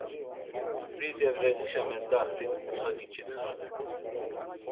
P̌ri Devreğişa mendaxt̆it mutxa giç̌itxare.